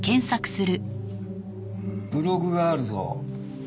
ブログがあるぞ。